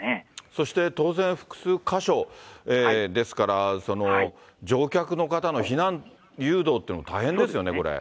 そして当然、複数箇所ですから、乗客の方の避難誘導っていうの、大変ですよね、これ。